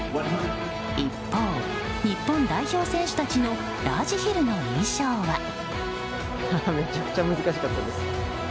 一方、日本代表選手たちのラージヒルの印象は。